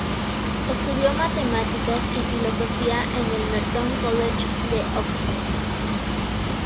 Estudió matemáticas y filosofía en el Merton College de Oxford.